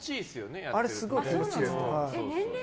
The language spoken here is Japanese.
すごい気持ちいいです。